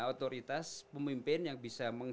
otoritas pemimpin yang bisa